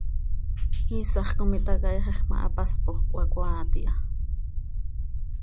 Iisax com itacaaixaj ma, hapaspoj cöhacoaat iha.